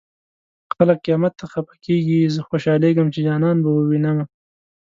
خلک قيامت ته خفه کيږي زه خوشالېږم چې جانان به ووينمه